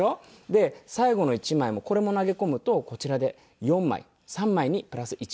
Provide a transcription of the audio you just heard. で最後の１枚もこれも投げ込むとこちらで４枚３枚にプラス１枚。